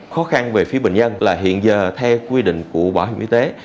khó khăn về phía bệnh nhân là hiện giờ theo quy định của bộ y tế